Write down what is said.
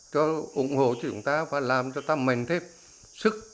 cho ủng hộ cho chúng ta và làm cho ta mềm thêm sức